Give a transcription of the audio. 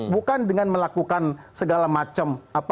bukan dengan melakukan segala macam